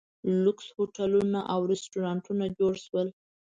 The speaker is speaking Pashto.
لوکس هوټلونه او ریسټورانټونه جوړ شول.